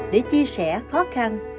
để chia sẻ khó khăn